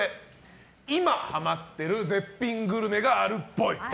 今ハマってる絶品グルメがあるっぽい。